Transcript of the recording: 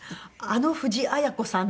あの藤あや子さん？